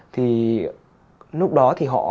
thì lúc đó thì họ